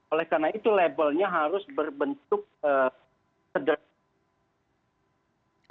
oleh karena itu labelnya harus berbentuk sederhana